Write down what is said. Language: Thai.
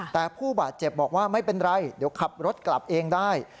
แต่ผู้บาดเจ็บบอกว่าไม่เป็นไรเดี๋ยวขับรถกลับเองได้